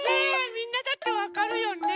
みんなだってわかるよね？